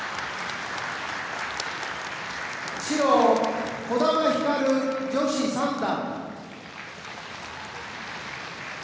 白、児玉ひかる女子三段。